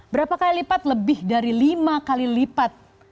berapa kali lipat lebih dari lima kali lipat